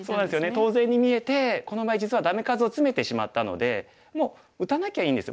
当然に見えてこの場合実はダメ数をツメてしまったのでもう打たなきゃいいんです。